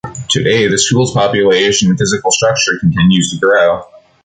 Today, the school's population and physical structure continues to grow.